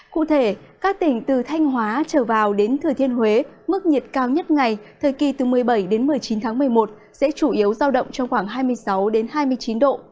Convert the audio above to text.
cụ thể các tỉnh từ thanh hóa trở vào đến thừa thiên huế mức nhiệt cao nhất ngày thời kỳ từ một mươi bảy đến một mươi chín tháng một mươi một sẽ chủ yếu giao động trong khoảng hai mươi sáu hai mươi chín độ